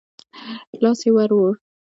لاس يې ور ووړ.